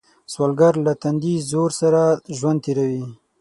سوالګر له تندي زور سره ژوند تېروي